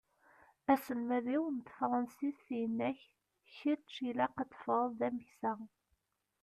Aselmad-iw n tefransist yenna-k: Kečč ilaq ad d-teffɣeḍ d ameksa.